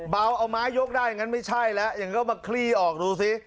เบาเอาไม้ยกได้งั้นไม่ใช่แล้วอย่างนั้นก็มาคลี่ออกดูสิ